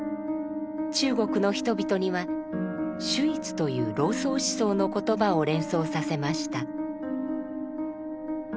中国の人々には「守一」という老荘思想の言葉を連想させました。